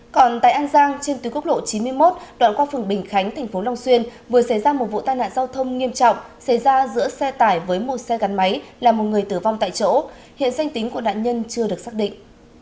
còn tại an giang trên tuyến quốc lộ chín mươi một đoạn qua phường bình khánh thành phố long xuyên vừa xảy ra một vụ tai nạn giao thông nghiêm trọng xảy ra giữa xe tải với một xe gắn máy làm một người tử vong tại chỗ hiện danh tính của nạn nhân chưa được xác định